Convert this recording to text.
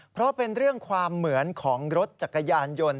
เพราะเป็นเรื่องความเหมือนของรถจักรยานยนต์